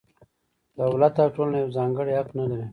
دولت او ټولنه یو ځانګړی حق نه لري.